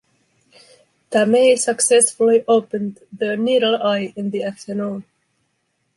Tamei successfully opened the “needle eye” in the afternoon.